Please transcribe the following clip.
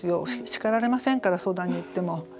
叱られませんから相談に行っても。